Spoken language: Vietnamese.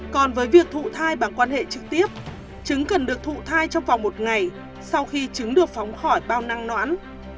còn với việc thụ thai bằng quan hệ trực tiếp trứng cần được thụ thai trong vòng một ngày sau khi trứng được phóng khỏi bao năng nõn